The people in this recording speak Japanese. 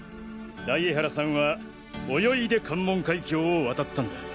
大江原さんは泳いで関門海峡を渡ったんだ。